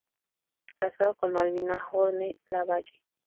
Casado con Malvina Horne Lavalle.